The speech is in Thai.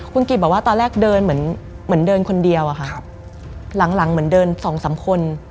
คุณกิจบอกว่าตอนแรกเดินเหมือนเหมือนเดินคนเดียวอะค่ะหลังเหมือนเดินสองสามคน